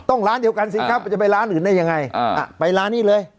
ร้านเดียวกันสิครับมันจะไปร้านอื่นได้ยังไงไปร้านนี้เลย